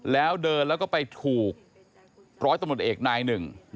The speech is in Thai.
แล้วเดินแล้วก็ไปถูกร้อยตำรวจเอกนายหนึ่ง